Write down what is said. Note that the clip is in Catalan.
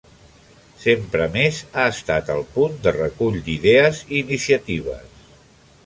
Sempre més ha estat el punt de recull d’idees i iniciatives.